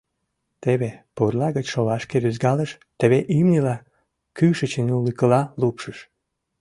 Теве пурла гыч шолашке рӱзкалыш, теве имньыла кӱшычын ӱлыкыла лупшыш.